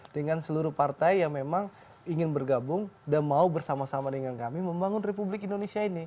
dengan seluruh partai yang memang ingin bergabung dan mau bersama sama dengan kami membangun republik indonesia ini